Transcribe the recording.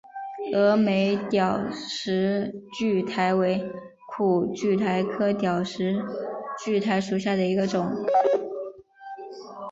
峨眉吊石苣苔为苦苣苔科吊石苣苔属下的一个种。